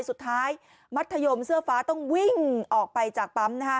สุดท้ายมัธยมเสื้อฟ้าต้องวิ่งออกไปจากปั๊ม